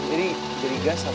jadi dari gas sama kopi lepas satu